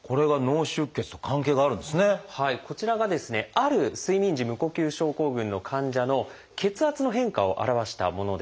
ある睡眠時無呼吸症候群の患者の血圧の変化を表したものです。